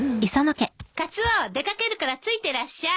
カツオ出掛けるから付いてらっしゃい。